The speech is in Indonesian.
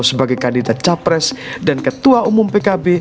sebagai kandidat capres dan ketua umum pkb